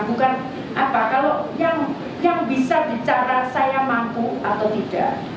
bukan apa kalau yang bisa bicara saya mampu atau tidak